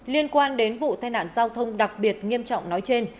liên quan đến vụ tai nạn giao thông đặc biệt nghiêm trọng nói trên